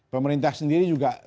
pemerintah sendiri juga